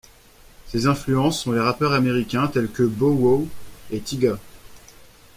Ses influences sont les rappeurs américains tels que Bow Wow et Tyga.